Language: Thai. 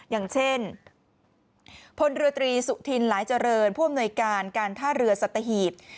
อย่างเช่นพลเรือตรีสุธินหลายเจริญผู้อำนวยการการท่าเรือสัตหีบ